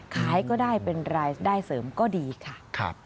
ขายก็ได้เป็นรายได้เสริมก็ดีค่ะ